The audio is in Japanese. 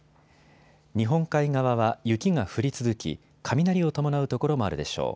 日本海側は雪が降り続き雷を伴う所もあるでしょう。